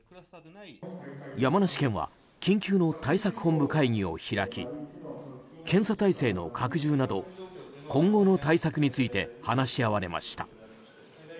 山梨県は緊急の対策本部会議を開き検査体制の拡充など今後の対策について話し合われました。